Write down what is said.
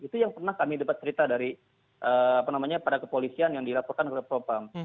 itu yang pernah kami dapat cerita dari pada kepolisian yang dilaporkan kepada propam